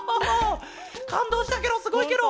かんどうしたケロすごいケロ！